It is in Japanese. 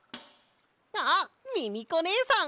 あっミミコねえさん！